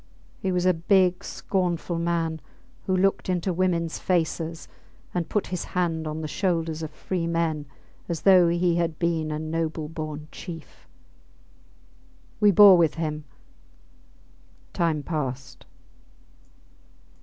He was a big, scornful man, who looked into womens faces and put his hand on the shoulders of free men as though he had been a noble born chief. We bore with him. Time passed.